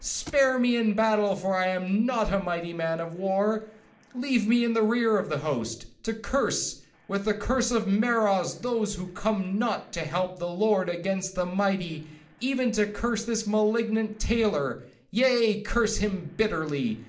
—Spare me in the battle, for I am not a mighty man of war; leave me in the rear of the host, to curse, with the curse of Meroz, those who come not to the help of the Lord against the mighty,—even to curse this malignant tailor,—yea, curse him bitterly.